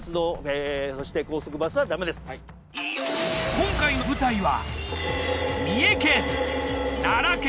今回の舞台は。